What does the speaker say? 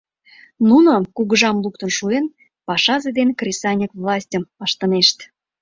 Нуно, кугыжам луктын шуэн, пашазе ден кресаньык властьым ыштынешт.